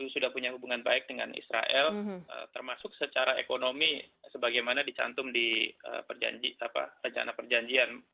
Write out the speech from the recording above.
sudah punya hubungan baik dengan israel termasuk secara ekonomi sebagaimana dicantum di rencana perjanjian